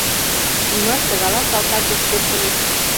Ӱмаште гала салтак гыч пӧртыльыч?